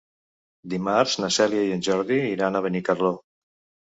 Dimarts na Cèlia i en Jordi iran a Benicarló.